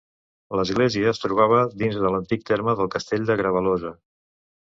L'església es trobava dins l'antic terme del castell de Grevalosa.